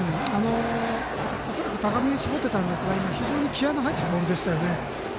恐らく高めに絞っていたんですが今、非常に気合いの入ったボールでしたよね。